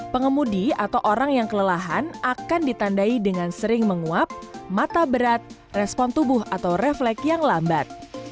pengemudi atau orang yang kelelahan akan ditandai dengan sering menguap mata berat respon tubuh atau refleks yang lambat